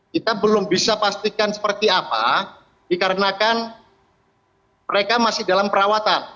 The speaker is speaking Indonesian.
kita belum bisa pastikan seperti apa dikarenakan mereka masih dalam perawatan